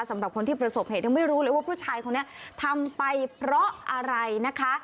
สำหรับคนที่ประสบเหตุยังไม่รู้เลยว่าผู้ชายคนนี้ทำไปเพราะอะไรนะคะ